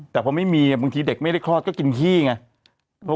แต่พอไม่มีบางทีเด็กไม่ได้คลอดก็กินขี้ไง